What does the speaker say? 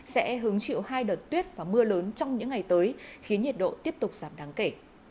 sẽ hứng chịu hai đợt tuyết và mưa lớn trong những ngày tới khiến nhiệt độ tiếp tục giảm đáng kể